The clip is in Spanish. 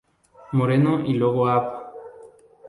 Moreno y luego Av.